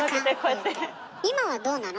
今はどうなの？